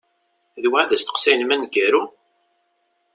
D wa i d asteqsi-inem aneggaru?